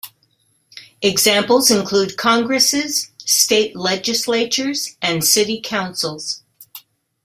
Examples include congresses, state legislatures, and city councils.